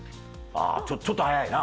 あー、ちょっと早いな。